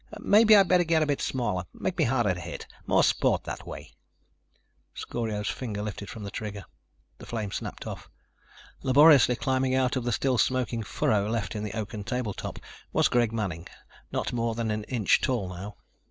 "Maybe I'd better get a bit smaller. Make me harder to hit. More sport that way." Scorio's finger lifted from the trigger. The flame snapped off. Laboriously climbing out of the still smoking furrow left in the oaken table top was Greg Manning, not more than an inch tall now.